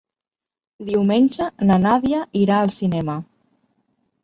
Diumenge na Nàdia irà al cinema.